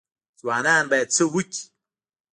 ځوانان باید څه وکړي؟